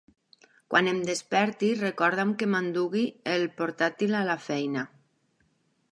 Quan em desperti, recorda'm que m'endugui el portàtil a la feina.